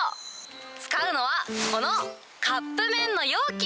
使うのはこのカップ麺の容器。